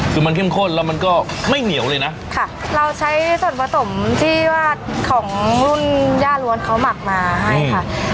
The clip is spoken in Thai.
คือมันเข้มข้นแล้วมันก็ไม่เหนียวเลยนะค่ะเราใช้ส่วนผสมที่ว่าของรุ่นย่าล้วนเขาหมักมาให้ค่ะ